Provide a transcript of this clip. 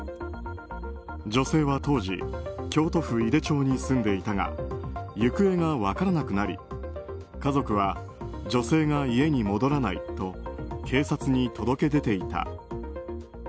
女性は当時京都府井手町に住んでいたが行方が分からなくなり、家族は女性が家に戻らないと警察に届け出ていた。